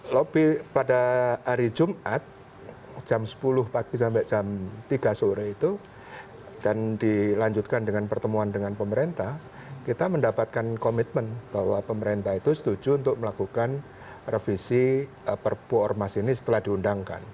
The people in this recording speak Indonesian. lobby pada hari jumat jam sepuluh pagi sampai jam tiga sore itu dan dilanjutkan dengan pertemuan dengan pemerintah kita mendapatkan komitmen bahwa pemerintah itu setuju untuk melakukan revisi perpu ormas ini setelah diundangkan